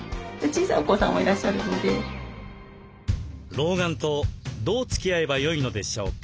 老眼とどうつきあえばよいのでしょうか？